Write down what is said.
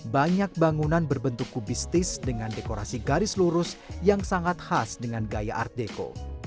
banyak bangunan berbentuk kubistis dengan dekorasi garis lurus yang sangat khas dengan gaya art deco